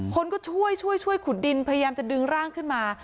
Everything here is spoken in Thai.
คนก็ช่วยช่วยขุดดินพยายามจะดึงร่างขึ้นมา